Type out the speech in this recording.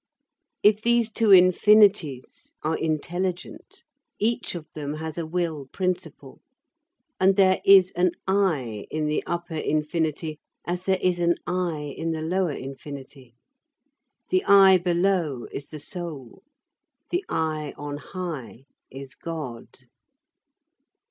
If these two infinities are intelligent, each of them has a will principle, and there is an I in the upper infinity as there is an I in the lower infinity. The I below is the soul; the I on high is God.